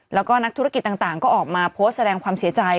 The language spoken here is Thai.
แล้วก็นักธุรกิจต่างก็ออกมาโพสต์แสดงความเสียใจ